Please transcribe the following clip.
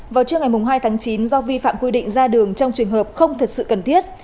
vào trưa ngày hai tháng chín do vi phạm quy định ra đường trong trường hợp không thật sự cần thiết